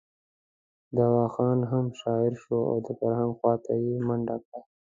دوا خان هم شاعر شو او د فرهنګ خواته یې منډه کړه.